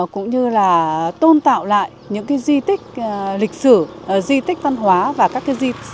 cũng như tôn tạo lại những di tích lịch sử di tích văn hóa và các di sản cấp quốc gia